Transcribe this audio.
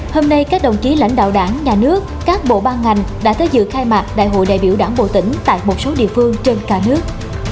hôm nay các đồng chí lãnh đạo đảng nhà nước các bộ ban ngành đã tới dự khai mạc đại hội đại biểu đảng bộ tỉnh tại một số địa phương trên cả nước